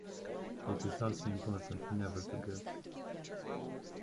It is also important never to guess.